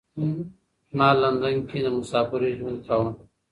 ما لندن کې د مسافرۍ ژوند کاوه.